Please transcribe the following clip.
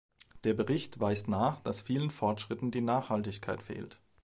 Der Bericht weist nach, dass vielen Fortschritten die Nachhaltigkeit fehlt.